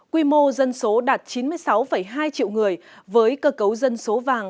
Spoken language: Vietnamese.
quy mô dân số đạt chín mươi sáu hai triệu người với cơ cấu dân số vàng